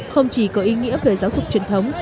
không chỉ có ý nghĩa về giáo dục truyền thống